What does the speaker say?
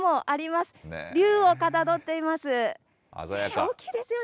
大きいですよね。